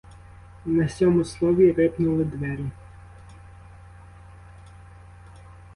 На сьому слові рипнули двері.